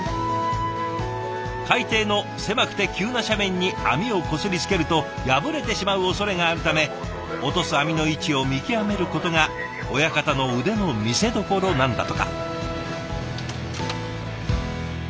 海底の狭くて急な斜面に網をこすりつけると破れてしまうおそれがあるため落とす網の位置を見極めることが親方の腕の見せどころなんだとか。